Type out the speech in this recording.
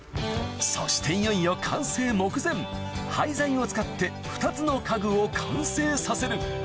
そしていよいよ完成目前廃材を使って２つの家具を完成させる